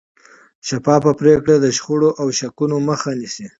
شفافه پرېکړې د شخړو او شکونو مخه نیسي